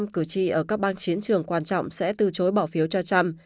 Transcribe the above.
năm mươi ba cử tri ở các bang chiến trường quan trọng sẽ từ chối bỏ phiếu cho trump